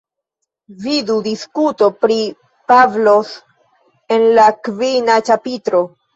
Vidu diskuto pri Pavlos en la kvina ĉapitro.